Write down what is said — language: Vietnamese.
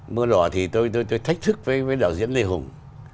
mưa đỏ thì tôi thách thức với đạo diễn lê hùng